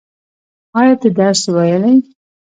ایا ته درس ویلی؟